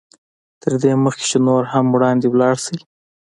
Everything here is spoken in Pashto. تر دې مخکې چې نور هم وړاندې ولاړ شئ.